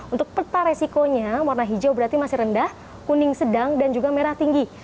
untuk peta resikonya warna hijau berarti masih rendah kuning sedang dan juga merah tinggi